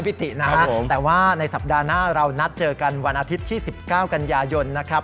พี่ตินะครับครับผมแต่ว่าในสัปดาห์หน้าเรานัดเจอกันวันอาทิตย์ที่สิบเก้ากันยายนนะครับ